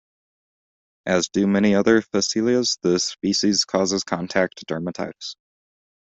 As do many other phacelias, this species causes contact dermatitis.